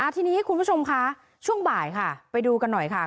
ทีนี้คุณผู้ชมคะช่วงบ่ายค่ะไปดูกันหน่อยค่ะ